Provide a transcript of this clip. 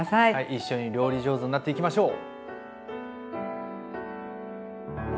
一緒に料理上手になっていきましょう！